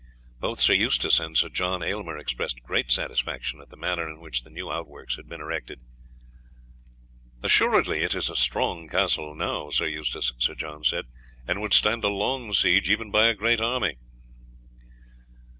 Both Sir Eustace and Sir John Aylmer expressed great satisfaction at the manner in which the new outworks had been erected. "Assuredly it is a strong castle now, Sir Eustace," Sir John said, "and would stand a long siege even by a great army."